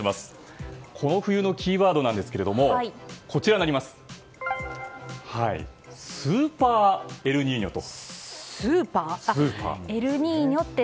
この冬のキーワードですがこちら、スーパーエルニーニョと。